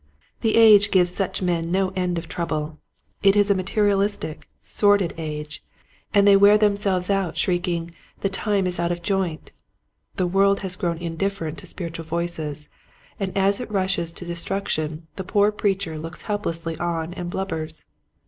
The age gives such men no end of trouble. It is a materialistic, sordid age 6S Quiet Hints to Growing Preachers. and they wear themselves out shrieking, "The time is out of joint!" The world has grown indifferent to spiritual voices, and as it rushes to destruction the poor preacher looks helplessly on and blubbers.